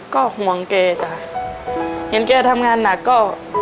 ก็ห่วงแกจ้ะเห็นแกทำงานหนักก็